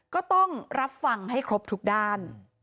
ก็ต้องรับฟังให้ครบทุกด้าน